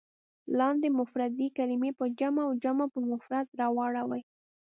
لاندې مفردې کلمې په جمع او جمع په مفرد راوړئ.